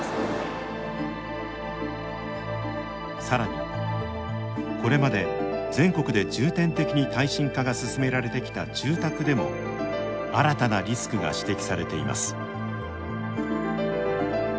さらにこれまで全国で重点的に耐震化が進められてきた住宅でも新たなリスクが指摘されています。